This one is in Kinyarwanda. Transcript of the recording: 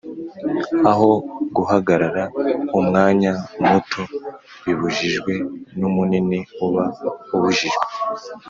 aho guhagarara Umwanya muto bibujijwe n’umunini uba ubujijwe